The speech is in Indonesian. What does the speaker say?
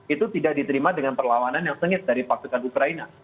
itu tidak diterima dengan perlawanan yang sengit dari pasukan ukraina